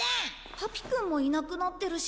パピくんもいなくなってるし。